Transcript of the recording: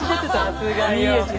さすがよ。